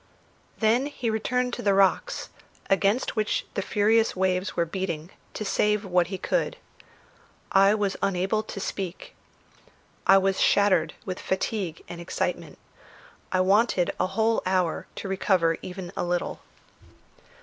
Then he returned to the rocks, against which the furious waves were beating, to save what he could. I was unable to speak. I was shattered with fatigue and excitement; I wanted a whole hour to recover even a little.